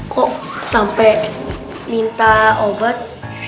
kok sampai minta obat